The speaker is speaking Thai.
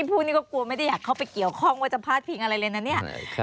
พวกนี้ก็กลัวไม่ได้อยากเข้าไปเกี่ยวข้องว่าจะพาดพิงอะไรเลยนะเนี่ย